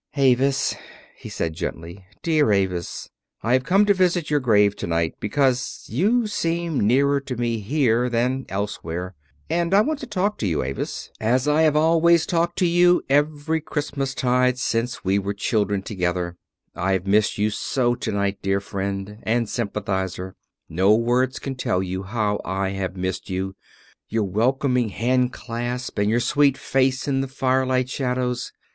"Avis," he said gently, "dear Avis, I have come to visit your grave tonight because you seem nearer to me here than elsewhere. And I want to talk to you, Avis, as I have always talked to you every Christmastide since we were children together. I have missed you so tonight, dear friend and sympathizer no words can tell how I have missed you your welcoming handclasp and your sweet face in the firelight shadows.